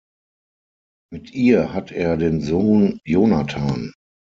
Mit ihr hat er den Sohn Jonathan.